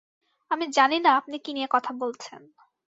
আমি জানি না আপনি কী নিয়ে কথা বলছেন!